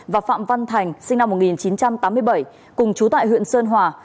và phạm văn thành sinh năm một nghìn chín trăm tám mươi bảy cùng chú tại huyện sơn hòa